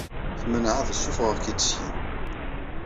Tmenɛeḍ ssufɣeɣ-k-id syin.